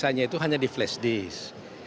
biasanya itu hanya di flash disk